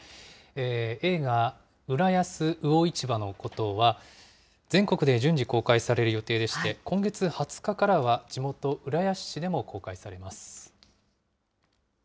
映画、浦安魚市場のことは、全国で順次、公開される予定でして、今月２０日からは地元、浦安市でも公開されます。